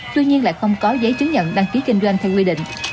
tuy nhiên lại không có giấy chứng nhận đăng ký kinh doanh theo quy định